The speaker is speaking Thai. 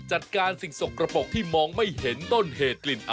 จัดการสิ่งสกระปกที่มองไม่เห็นต้นเหตุกลิ่น